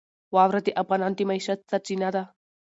واوره د افغانانو د معیشت سرچینه ده.